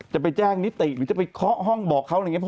จะไปแจ้งนิติหรือจะไปเคาะห้องบอกเขาอะไรอย่างนี้